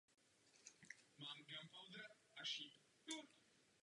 Byl především básníkem.